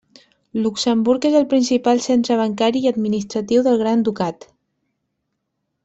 Luxemburg és el principal centre bancari i administratiu del Gran Ducat.